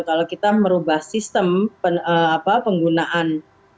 kalau kita merubah sistem penggunaan